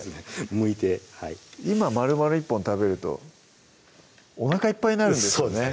むいてはい今まるまる１本食べるとおなかいっぱいになるんですよね